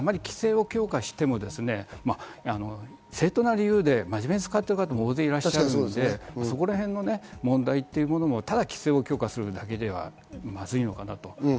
ただ、あまり規制を強化しても正当な理由で真面目に使っている方も大勢いらっしゃるのでそこらへんの問題というものもただ規制を強化するだけではまずいのかなと思います。